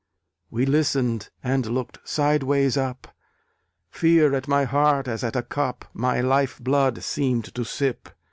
We listened, and looked sideways up! Fear at my heart, as at a cup, My life blood seemed to sip!